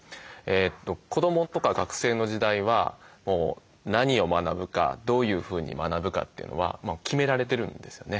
子どもとか学生の時代は何を学ぶかどういうふうに学ぶかというのは決められてるんですよね。